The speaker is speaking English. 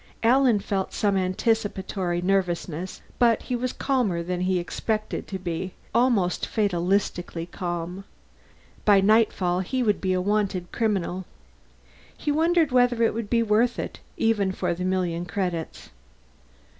Alan felt some anticipatory nervousness, but he was calmer than he expected to be almost fatalistically calm. By nightfall, he would be a wanted criminal. He wondered whether it would be worth it, even for the million credits.